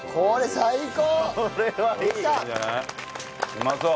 うまそう！